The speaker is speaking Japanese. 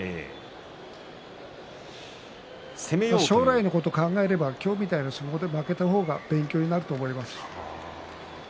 将来のことを考えれば今日のような相撲で負けた方が勉強になると思います。